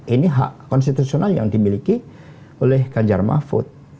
ini hak konstitusional yang dimiliki oleh ganjar mahfud